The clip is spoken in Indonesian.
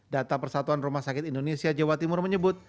data persatuan rumah sakit indonesia jawa timur menyebut